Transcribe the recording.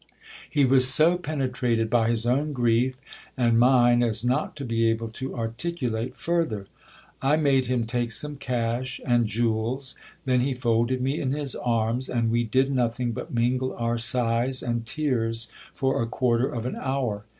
He was so pene trated by his own grief and mine as not to be able to articulate further. I made him take some cash and jewels : then he folded me in his arms, and we did nothing but mingle our sighs and tears for a quarter of an hour.